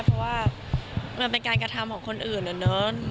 เพราะว่ามันเป็นการกระทำของคนอื่นอะเนอะ